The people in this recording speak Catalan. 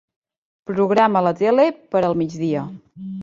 Programa la tele per al migdia.